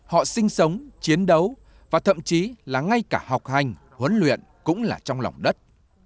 họ sinh sống chiến đấu và thậm chí là ngay cả học hành huấn luyện cũng là trong lòng đất